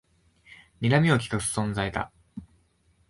にらみをきかす存在だ